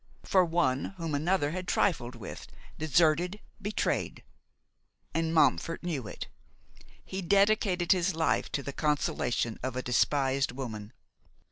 For one whom another had trifled with, deserted, betrayed! And Montfort knew it. He dedicated his life to the consolation of a despised woman.